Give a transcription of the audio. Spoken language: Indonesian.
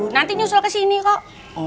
nanti nyusul kesini kok